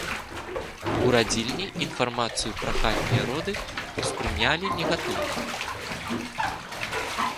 У радзільні інфармацыю пра хатнія роды ўспрынялі негатыўна.